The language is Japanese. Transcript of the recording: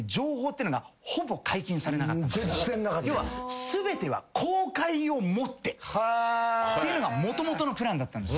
要は「全ては公開をもって」っていうのがもともとのプランだったんですよ。